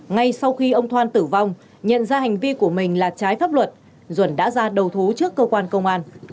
ngay sau khi ông thoan tử vong nhận ra hành vi của mình là trái pháp luật duẩn đã ra đầu thú trước cơ quan công an